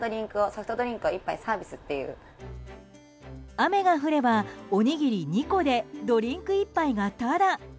雨が降れば、おにぎり２個でドリンク１杯がタダ。